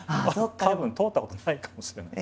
たぶん通ったことないかもしれない。